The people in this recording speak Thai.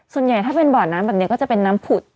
ส่วนใหญ่ถ้าเป็นบ่อน้ำแบบนี้ก็จะเป็นน้ำผุด